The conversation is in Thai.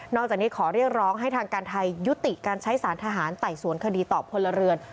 จากนี้ขอเรียกร้องให้ทางการไทยยุติการใช้สารทหารไต่สวนคดีต่อพลเรือน